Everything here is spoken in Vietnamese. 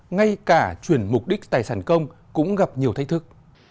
ngay cả chuyển mục đích tài sản công cũng gặp nhiều thách thức